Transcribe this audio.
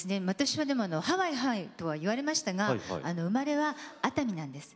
私はでもハワイハワイとは言われましたが生まれは熱海なんです。